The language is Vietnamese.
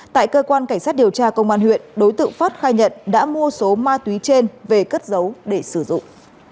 tại cơ quan cảnh sát điều tra công an huyện đối tượng phát khai nhận đã mua số ma túy trên về cất giấu để sử dụng